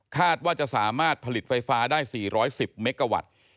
ว่าจะสามารถผลิตไฟฟ้าได้๔๑๐เมกาวัตต์